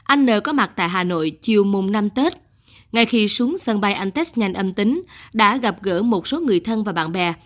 anh n có mặt tại hà nội chiều mùng năm tết ngay khi xuống sân bay anh test nhanh âm tính đã gặp gỡ một số người thân và bạn bè